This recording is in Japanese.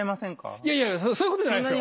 いやいやそういうことじゃないですよ。